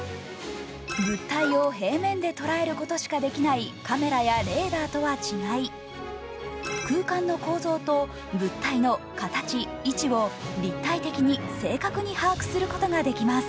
物体を平面で捉えることしかできないカメラやレーダーとは違い、空間の構造と物体の形、位置を立体的に正確に把握することができます。